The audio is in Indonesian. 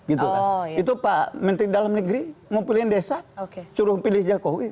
itu pak menteri dalam negeri mau pilihin desa suruh pilih jokowi